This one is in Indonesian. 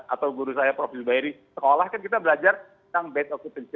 atau guru saya profil bayri sekolah kan kita belajar tentang bed